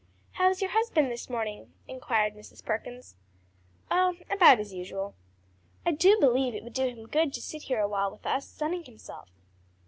"How is your husband this morning?" inquired Mrs. Perkins. "Oh about as usual." "I do believe it would do him good to sit here awhile with us, sunning himself."